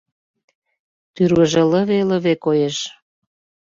Тӱрвыжӧ лыве-лыве коеш.